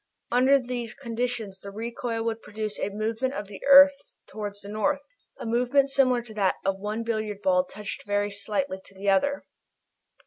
Under these conditions the recoil will produce a movement of the earth towards the north, a movement similar to that of one billiard ball touched very slightly by another."